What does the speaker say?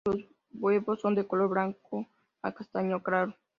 Los huevos son de color blanco a castaño claro.